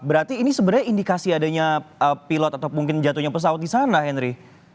berarti ini sebenarnya indikasi adanya pilot atau mungkin jatuhnya pesawat di sana henry